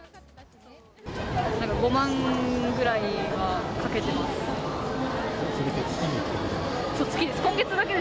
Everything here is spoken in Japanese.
なんか５万ぐらいはかけてま月に？